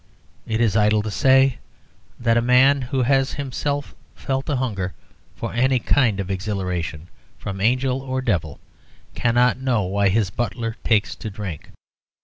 It is idle to say that a man who has himself felt the hunger for any kind of exhilaration, from angel or devil, cannot know why his butler takes to drink.